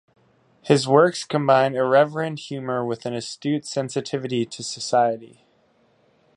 His works combine irreverent humour with an astute sensitivity to society.